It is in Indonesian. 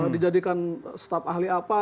dijadikan staf ahli apa